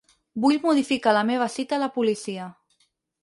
Vull modificar la meva cita a la policia.